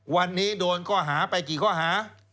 วันนี้โดนข้อหาไปกี่ข้อหา